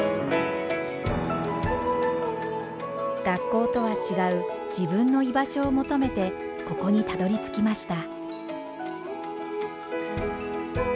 学校とは違う自分の居場所を求めてここにたどりつきました。